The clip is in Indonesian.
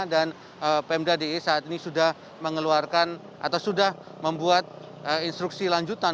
dan pemprov d i e saat ini sudah membuat instruksi lanjutan